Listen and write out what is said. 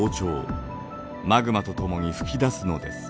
マグマと共に吹き出すのです。